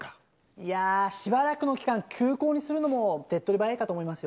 いやー、しばらくの期間、休校にするのも手っ取り早いかと思いますよ。